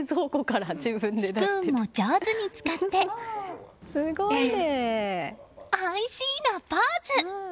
スプーンも上手に使っておいしいのポーズ！